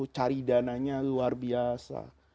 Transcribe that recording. cari dananya luar biasa